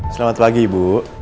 selamat pagi ibu